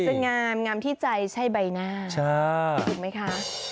จะงามงามที่ใจใช่ใบหน้าถูกไหมคะ